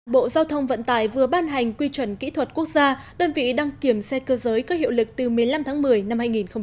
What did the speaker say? bộ giao thông vận tải vừa ban hành quy chuẩn kỹ thuật quốc gia đơn vị đăng kiểm xe cơ giới có hiệu lực từ một mươi năm tháng một mươi năm hai nghìn một mươi chín